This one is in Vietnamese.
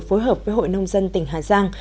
phối hợp với hội nông dân tỉnh hà giang